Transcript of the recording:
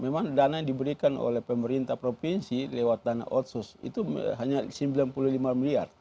dan dana yang diberikan oleh pemerintah provinsi lewat dana otsus itu hanya sembilan puluh lima miliar